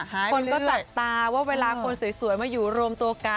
คนก็จับตาว่าเวลาคนสวยมาอยู่รวมตัวกัน